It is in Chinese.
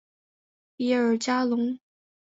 比尔加龙。